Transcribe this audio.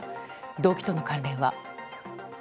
動機との関連は。